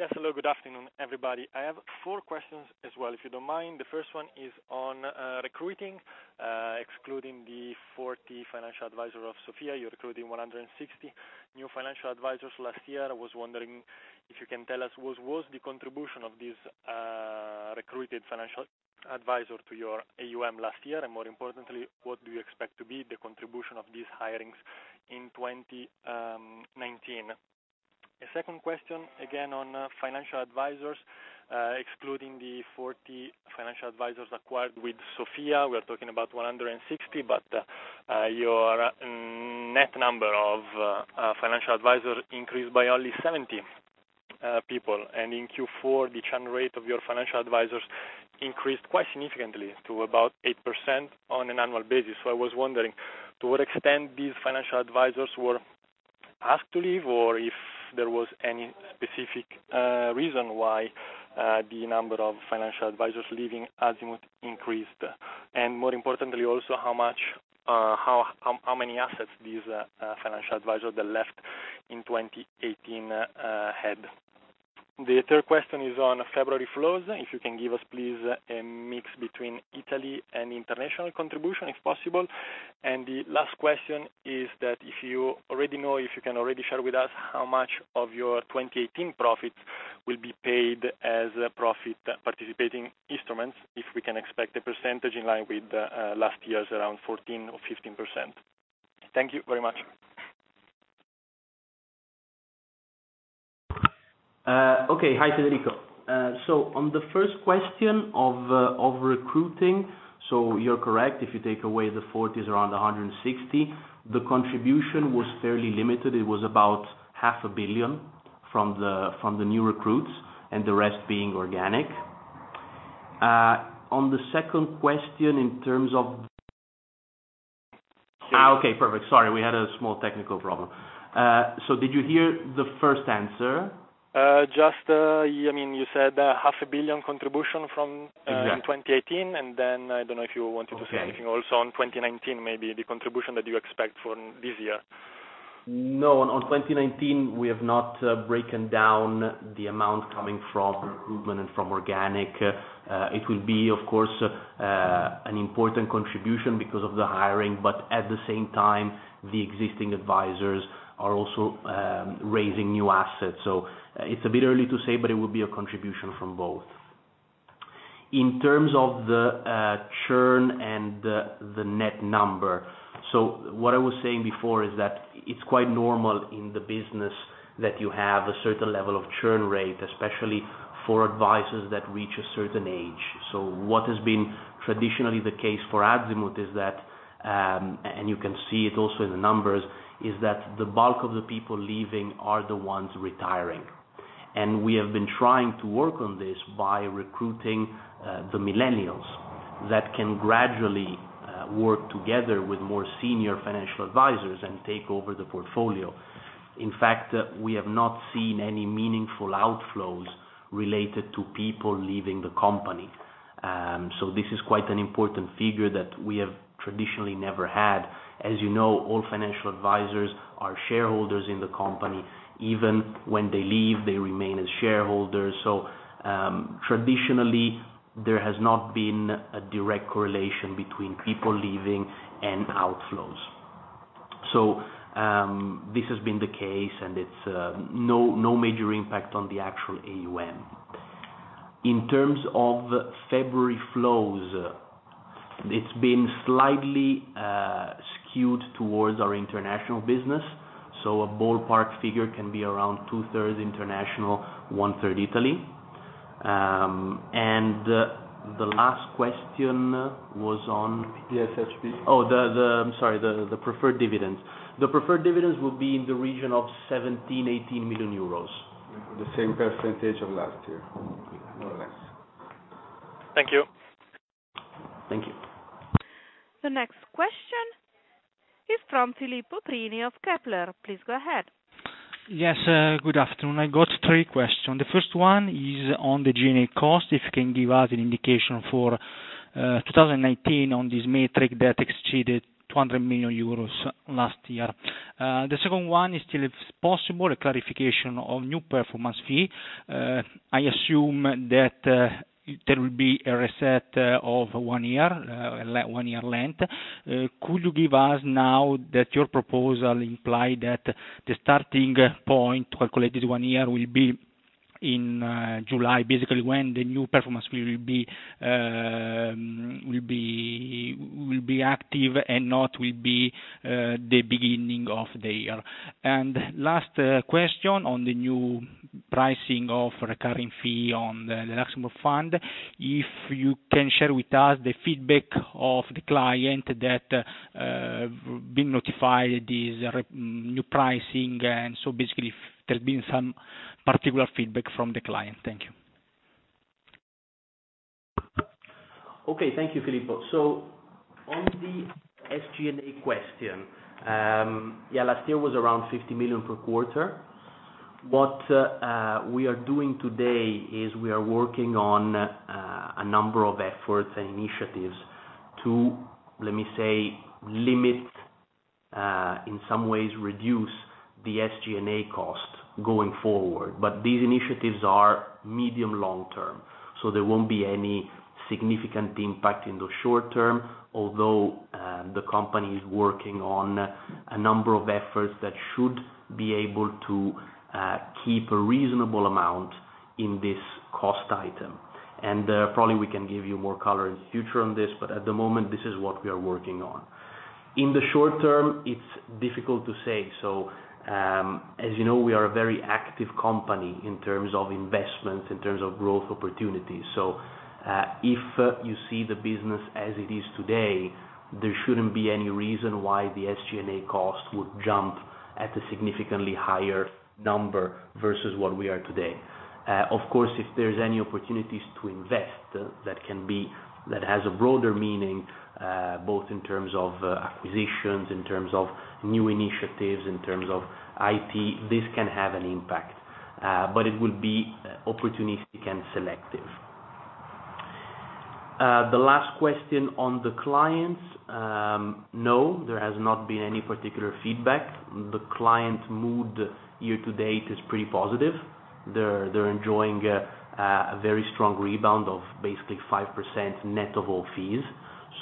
Yes, hello. Good afternoon, everybody. I have four questions as well, if you don't mind. The first one is on recruiting. Excluding the 40 financial advisor of Sophia, you're recruiting 160 new financial advisors last year. I was wondering if you can tell us what was the contribution of these recruited financial advisor to your AUM last year, and more importantly, what do you expect to be the contribution of these hirings in 2019? A second question, again on financial advisors. Excluding the 40 financial advisors acquired with Sophia, we are talking about 160, but your net number of financial advisors increased by only 70 people. In Q4, the churn rate of your financial advisors increased quite significantly to about 8% on an annual basis. I was wondering to what extent these financial advisors were asked to leave or if there was any specific reason why the number of financial advisors leaving Azimut increased. More importantly, also, how many assets these financial advisors that left in 2018 had. The third question is on February flows. If you can give us, please, a mix between Italy and international contribution, if possible. The last question is that if you already know, if you can already share with us how much of your 2018 profits will be paid as profit participating instruments, if we can expect a percentage in line with last year's around 14% or 15%. Thank you very much. Hi, Federico. On the first question of recruiting, you're correct, if you take away the 40, is around 160. The contribution was fairly limited. It was about half a billion from the new recruits, and the rest being organic. On the second question in terms of. Perfect. Sorry, we had a small technical problem. Did you hear the first answer? You said half a billion contribution from- Exactly 2018, I don't know if you wanted to say anything also on 2019, maybe the contribution that you expect for this year. No, on 2019, we have not broken down the amount coming from recruitment and from organic. It will be, of course, an important contribution because of the hiring, but at the same time, the existing advisors are also raising new assets. It's a bit early to say, but it will be a contribution from both. In terms of the churn and the net number, what I was saying before is that it's quite normal in the business that you have a certain level of churn rate, especially for advisors that reach a certain age. What has been traditionally the case for Azimut is that, and you can see it also in the numbers, is that the bulk of the people leaving are the ones retiring. We have been trying to work on this by recruiting the millennials that can gradually work together with more senior financial advisors and take over the portfolio. In fact, we have not seen any meaningful outflows related to people leaving the company. This is quite an important figure that we have traditionally never had. As you know, all financial advisors are shareholders in the company. Even when they leave, they remain as shareholders. Traditionally, there has not been a direct correlation between people leaving and outflows. This has been the case, and it's no major impact on the actual AUM. In terms of February flows, it's been slightly skewed towards our international business, a ballpark figure can be around two-third international, one-third Italy. The last question was on PSHP. I'm sorry, the preferred dividends. The preferred dividends will be in the region of 17 million euros, 18 million euros. The same percentage of last year, more or less. Thank you. Thank you. The next question is from Filippo Prini of Kepler. Please go ahead. Yes, good afternoon. I got three questions. The first one is on the G&A cost, if you can give us an indication for 2019 on this metric that exceeded 200 million euros last year. The second one is, still if possible, a clarification of new performance fee. I assume that there will be a reset of one year length. Could you give us now that your proposal implied that the starting point to calculate this one year will be in July, basically when the new performance fee will be active and not will be the beginning of the year. Last question on the new pricing of recurring fee on the Luxembourg fund. If you can share with us the feedback of the client that been notified this new pricing, and so basically there's been some particular feedback from the client. Thank you. Thank you, Filippo. On the SG&A question, last year was around 50 million per quarter. What we are doing today is we are working on a number of efforts and initiatives to, let me say, limit, in some ways reduce the SG&A cost going forward. These initiatives are medium long term, so there won't be any significant impact in the short term. Although, the company is working on a number of efforts that should be able to keep a reasonable amount in this cost item. Probably we can give you more color in the future on this, but at the moment, this is what we are working on. In the short term, it's difficult to say. As you know, we are a very active company in terms of investments, in terms of growth opportunities. If you see the business as it is today, there shouldn't be any reason why the SG&A cost would jump at a significantly higher number versus what we are today. Of course, if there's any opportunities to invest, that has a broader meaning, both in terms of acquisitions, in terms of new initiatives, in terms of IT, this can have an impact. It will be opportunistic and selective. The last question on the clients. No, there has not been any particular feedback. The client mood year to date is pretty positive. They're enjoying a very strong rebound of basically 5% net of all fees.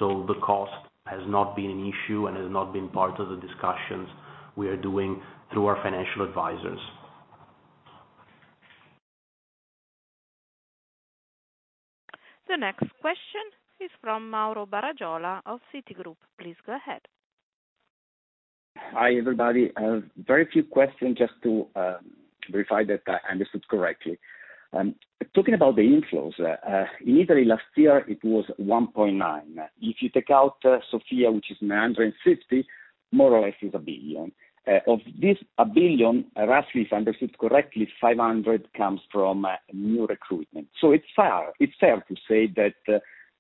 The cost has not been an issue and has not been part of the discussions we are doing through our financial advisors. The next question is from Mauro Baragiola of Citigroup. Please go ahead. Hi, everybody. Very few questions just to verify that I understood correctly. Talking about the inflows, in Italy last year, it was 1.9 billion. If you take out Sophia SGR, which is 950 million, more or less is 1 billion. Of this 1 billion, roughly, if I understood correctly, 500 million comes from new recruitment. It's fair to say that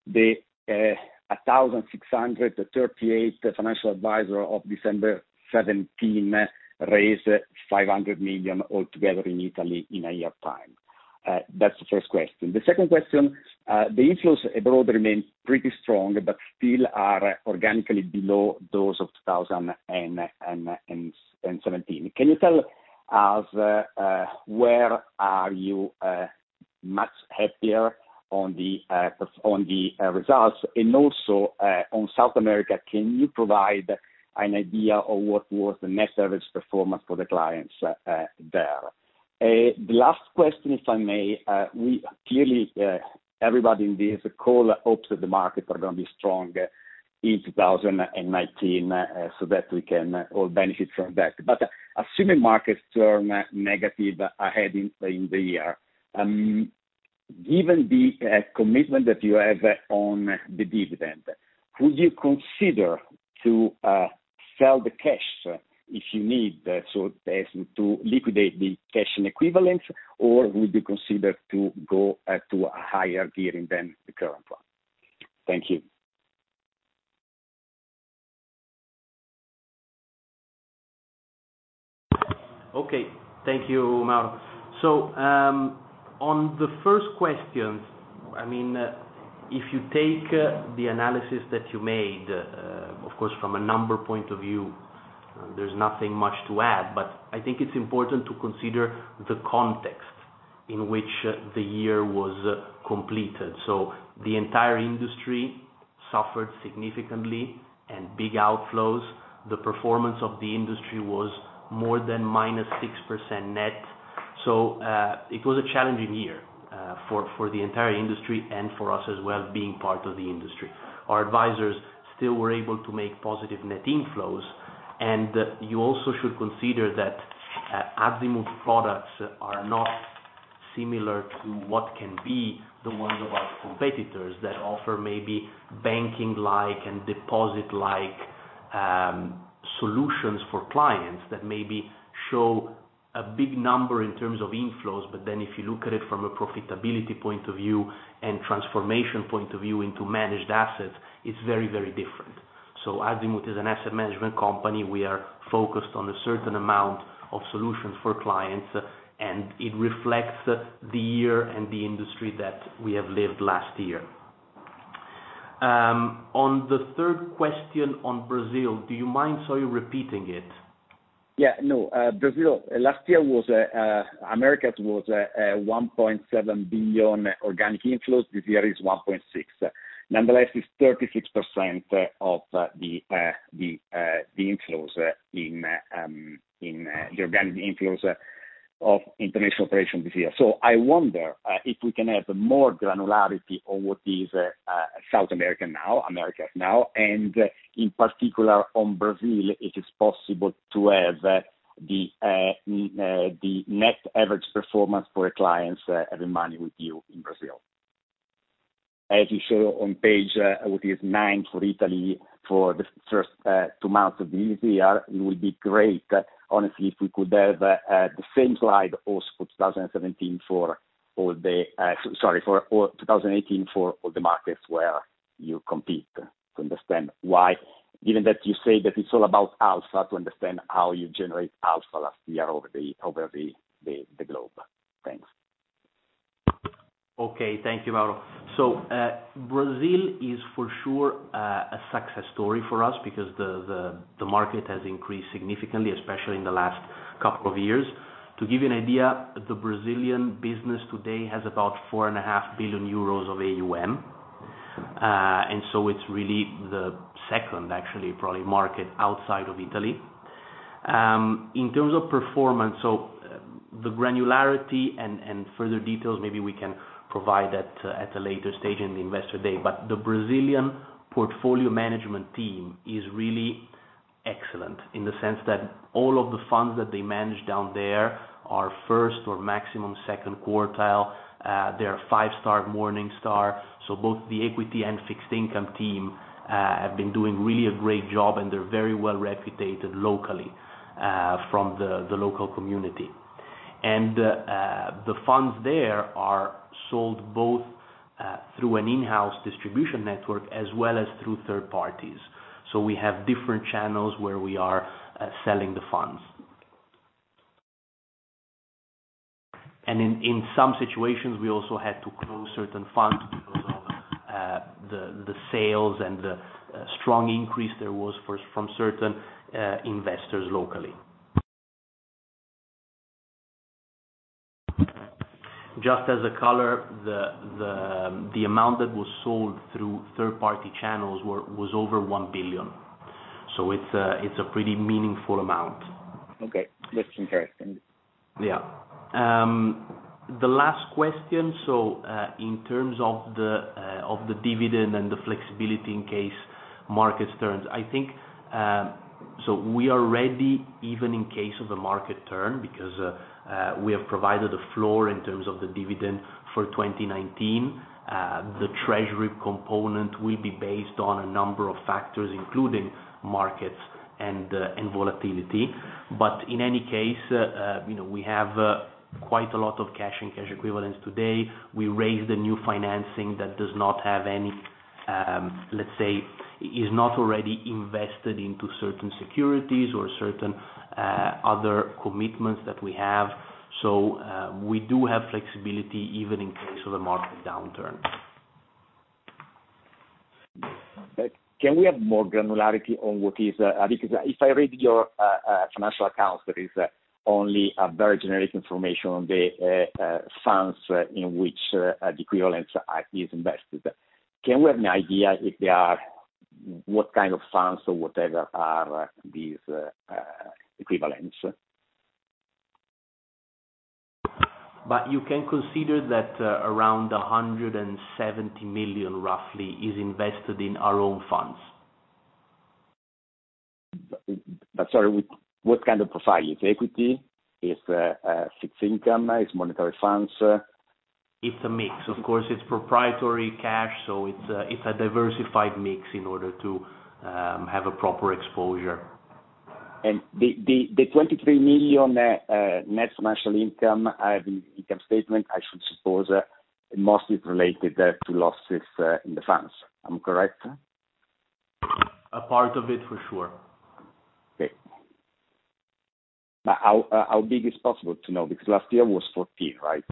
the 1,638 financial advisors of December 2017 raised 500 million all together in Italy in a year time. That's the first question. The second question, the inflows abroad remain pretty strong, still are organically below those of 2017. Can you tell us where are you much happier on the results? Also on South America, can you provide an idea of what was the net service performance for the clients there? The last question, if I may. Clearly, everybody in this call hopes that the markets are going to be strong in 2019, so that we can all benefit from that. Assuming markets turn negative ahead in the year, given the commitment that you have on the dividend, would you consider to sell the cash if you need to liquidate the cash and equivalents? Would you consider to go to a higher gearing than the current one? Thank you. Okay. Thank you, Mauro. On the first question, if you take the analysis that you made, of course, from a number point of view, there's nothing much to add, but I think it's important to consider the context in which the year was completed. The entire industry suffered significantly and big outflows. The performance of the industry was more than minus 6% net. It was a challenging year for the entire industry and for us as well, being part of the industry. Our advisors still were able to make positive net inflows, and you also should consider that Azimut products are not similar to what can be the ones of our competitors that offer maybe banking-like and deposit-like solutions for clients that maybe show a big number in terms of inflows. If you look at it from a profitability point of view and transformation point of view into managed assets, it's very different. Azimut is an asset management company. We are focused on a certain amount of solutions for clients, and it reflects the year and the industry that we have lived last year. On the third question on Brazil, do you mind, sorry, repeating it? Yeah. No, Brazil. Last year, Americas was 1.7 billion organic inflows. This year is 1.6 billion. Nonetheless, it's 36% of the inflows in the organic inflows of international operations this year. I wonder if we can have more granularity on what is South American now, Americas now, and in particular on Brazil, if it's possible to have the net average performance for clients having money with you in Brazil. As you show on page nine for Italy for the first two months of this year. It would be great, honestly, if we could have the same slide also for 2018 for all the markets where you compete, to understand why. Given that you say that it's all about alpha, to understand how you generate alpha last year over the globe. Thanks. Okay. Thank you, Mauro. Brazil is for sure a success story for us because the market has increased significantly, especially in the last couple of years. To give you an idea, the Brazilian business today has about 4.5 billion euros of AUM. It's really the second, actually, probably market outside of Italy. In terms of performance, the granularity and further details maybe we can provide at a later stage in the investor day. The Brazilian portfolio management team is really excellent, in the sense that all of the funds that they manage down there are first or maximum second quartile. They are five-star Morningstar. Both the equity and fixed income team have been doing really a great job and they're very well reputed locally from the local community. The funds there are sold both through an in-house distribution network as well as through third parties. We have different channels where we are selling the funds. In some situations, we also had to close certain funds because of the sales and the strong increase there was from certain investors locally. Just as a color, the amount that was sold through third-party channels was over 1 billion. It's a pretty meaningful amount. Okay. That's interesting. The last question, in terms of the dividend and the flexibility in case markets turn. We are ready, even in case of a market turn, because we have provided a floor in terms of the dividend for 2019. The treasury component will be based on a number of factors, including markets and volatility. In any case, we have quite a lot of cash and cash equivalents today. We raised the new financing that does not have any is not already invested into certain securities or certain other commitments that we have. We do have flexibility even in case of a market downturn. Can we have more granularity on what is because if I read your financial accounts, there is only a very generic information on the funds in which the equivalents is invested. Can we have an idea if they are, what kind of funds or whatever are these equivalents? You can consider that around 170 million roughly is invested in our own funds. Sorry, what kind of profile? It's equity? It's fixed income? It's monetary funds? It's a mix. Of course, it's proprietary cash, so it's a diversified mix in order to have a proper exposure. The 23 million net financial income in the income statement, I should suppose, mostly it's related to losses in the funds. Am I correct? A part of it for sure. Okay. How big is possible to know? Last year was 14, right?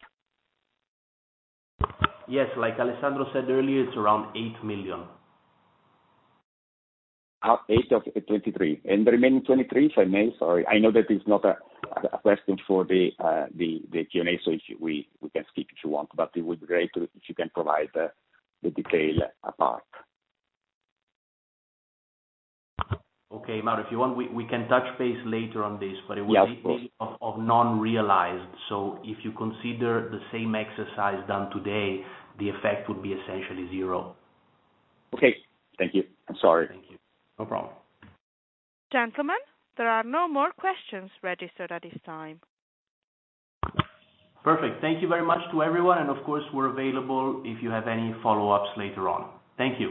Yes. Like Alessandro said earlier, it's around 8 million. Eight of 23. The remaining 23, if I may, sorry. I know that it is not a question for the Q&A, we can skip if you want, but it would be great if you can provide the detail apart. Okay, Mauro, if you want, we can touch base later on this. Yeah, of course. It would be of non-realized. If you consider the same exercise done today, the effect would be essentially zero. Okay. Thank you. I'm sorry. Thank you. No problem. Gentlemen, there are no more questions registered at this time. Perfect. Thank you very much to everyone, and of course, we're available if you have any follow-ups later on. Thank you.